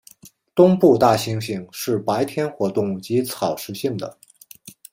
东部大猩猩是白天活动及草食性的。